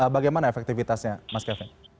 bagaimana efektivitasnya mas kevin